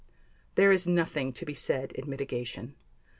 There is nothing to be said in mitigation.